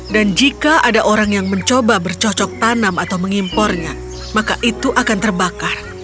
dan jika ada orang yang mencoba bercocok tanam atau mengimpornya maka itu akan terbakar